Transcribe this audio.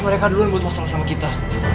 mereka duluan buat masal sama kita